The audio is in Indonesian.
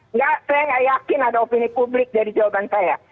enggak saya nggak yakin ada opini publik jadi jawaban saya